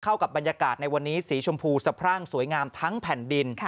กับบรรยากาศในวันนี้สีชมพูสะพรั่งสวยงามทั้งแผ่นดิน